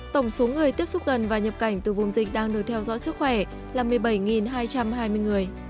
tổng số người tiếp xúc gần và nhập cảnh từ vùng dịch đang được theo dõi sức khỏe là một mươi bảy hai trăm hai mươi người